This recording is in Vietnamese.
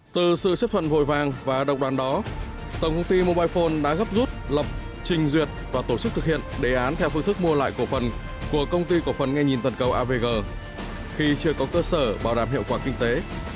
từ sự chấp thuận vội vàng và độc đoàn đó tổng công ty mobile phone đã gấp rút lập trình duyệt và tổ chức thực hiện đề án theo phương thức mua lại cổ phần của công ty cổ phần nghe nhìn toàn cầu avg khi chưa có cơ sở bảo đảm hiệu quả kinh tế